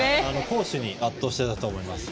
攻守に圧倒していたと思います。